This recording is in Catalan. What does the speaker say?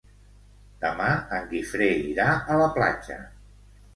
Demà en Guifré irà a la platja.